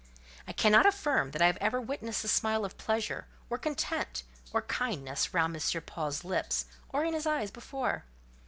I cannot affirm that I had ever witnessed the smile of pleasure, or content, or kindness round M. Paul's lips, or in his eyes before.